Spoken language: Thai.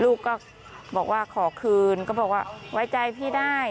ลูกก็บอกว่าขอคืนก็บอกว่าไว้ใจพี่ได้